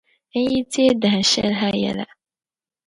N yi teei dahin shɛli ha yɛla.